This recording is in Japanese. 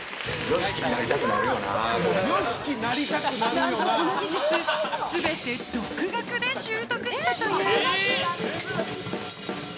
何と、この技術全て独学で習得したという。